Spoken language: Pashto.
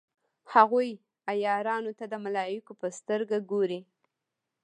هغوی عیارانو ته د ملایکو په سترګه ګوري.